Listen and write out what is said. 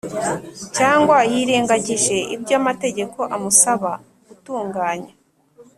cyangwa yirengagije ibyo amategeko amusaba gutunganya,